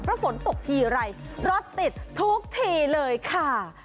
เพราะฝนตกทีไรรถติดทุกทีเลยค่ะ